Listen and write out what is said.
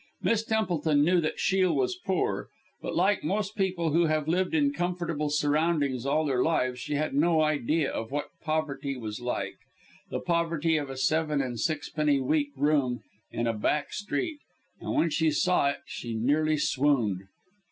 Miss Templeton knew that Shiel was poor, but like most people who have lived in comfortable surroundings all their lives, she had no idea of what poverty was like the poverty of a seven and sixpenny a week room in a back street; and when she saw it she nearly swooned.